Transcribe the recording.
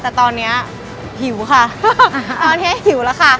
แต่ตอนนี้หิวค่ะตอนนี้หิวแล้วค่ะ